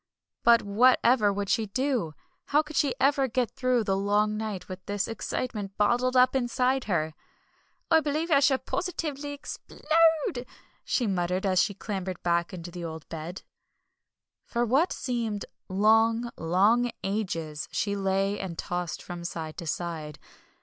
But whatever would she do? How could she ever get through the long night with all this excitement bottled up inside her? "I believe I shall positively explode!" she muttered, as she clambered back into the old bed. For what seemed long, long ages she lay and tossed from side to side.